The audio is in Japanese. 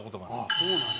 そうなんや。